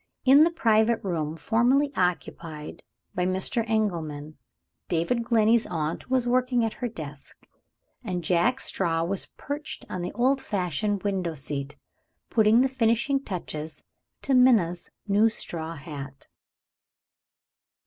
In the private room, formerly occupied by Mr. Engelman, David Glenney's aunt was working at her desk; and Jack Straw was perched on the old fashioned window seat, putting the finishing touches to Minna's new straw hat.